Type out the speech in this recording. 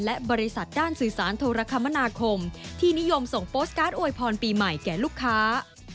และบริษัทด้านสื่อสารโทรคมนาคมที่นิยมส่งโปสตการ์ดอวยพรปีใหม่แก่ลูกค้า